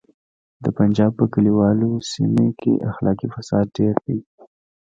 د پنجاب په کلیوالو سیمو کې اخلاقي فساد ډیر دی